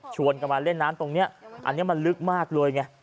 กันมาเล่นน้ำตรงนี้อันนี้มันลึกมากเลยไง